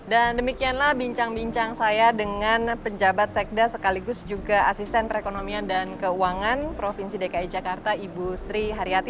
dan demikianlah bincang bincang saya dengan penjabat sekda sekaligus juga asisten perekonomian dan keuangan provinsi dki jakarta ibu sri haryati dan peneliti senior indef ibu ani sri hartati